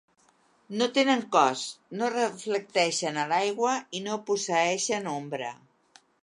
No tenen cos, no es reflecteixen a l'aigua, i no posseeixen ombra.